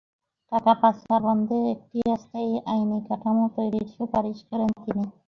টাকা পাচার বন্ধে একটি স্থায়ী আইনি কাঠামো তৈরির সুপারিশ করেন তিনি।